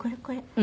これ。